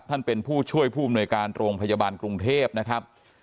ท่านเป็นผู้ช่วยผู้อำนวยการโรงพยาบาลกรุงเทพนะครับ